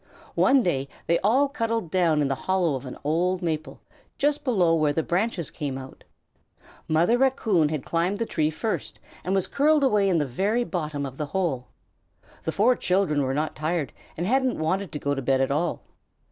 One day they all cuddled down in the hollow of an old maple, just below where the branches come out. Mother Raccoon had climbed the tree first and was curled away in the very bottom of the hole. The four children were not tired and hadn't wanted to go to bed at all.